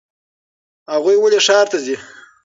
هغوی ولې ښار ته ځي؟